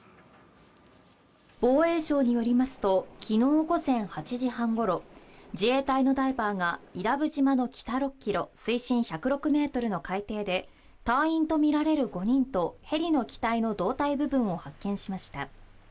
防衛省によりますと昨日午前８時半ごろ自衛隊のダイバーが伊良部島の北６ｋｍ水深１０６ｍの海底で隊員とみられる５人とヘリの機体の胴体部分を発見しました。